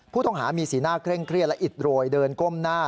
ผู้ต้องหามีสีหน้าเคร่งเครียดและอิดโรยเดินก้มหน้า